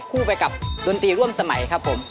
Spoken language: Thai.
คู่ไปกับดนตรีร่วมสมัยครับผม